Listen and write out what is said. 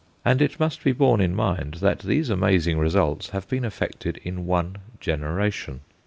And it must be borne in mind that these amazing results have been effected in one generation.